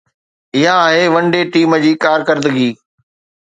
اها آهي one day team جي ڪارڪردگي